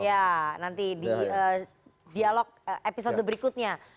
ya nanti di dialog episode berikutnya